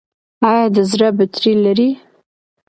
ایا د زړه بطرۍ لرئ؟